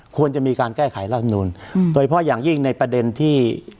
ควรจะมีการแก้ไขรัฐมนูลโดยเฉพาะอย่างยิ่งในประเด็นที่